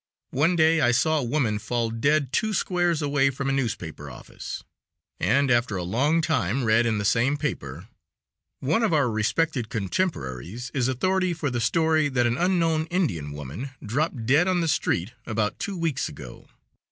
One day I saw a woman fall dead two squares away from a newspaper office, and after a long time read in the same paper: "One of our respected contemporaries is authority for the story than an unknown Indian woman dropped dead on the street about two weeks ago."